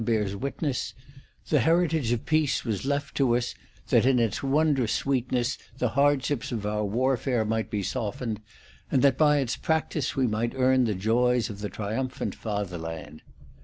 EPISTOLA VII 101 heritage of peace was left to us, that in its wondrous sweetness the hardships of our warfare might be softened, and that by its practice we might earn the joys of the triumphant Fatherland.